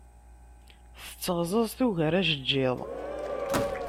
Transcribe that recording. Tetteɣzaẓ tugar ajeǧǧiḍ.